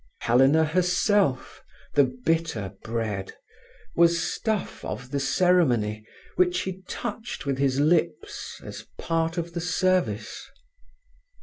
Helena herself, the bitter bread, was stuff of the ceremony, which he touched with his lips as part of the service.